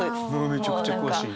めちゃくちゃ詳しい！